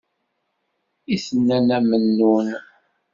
I tenna Nna Mennun.